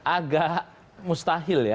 agak mustahil ya